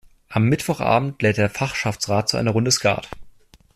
Am Mittwochabend lädt der Fachschaftsrat zu einer Runde Skat.